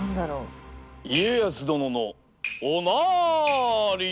・家康殿のおなり。